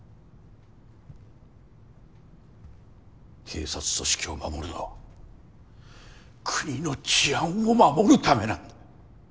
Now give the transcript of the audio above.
警察組織を守るのは国の治安を守るためなんだ。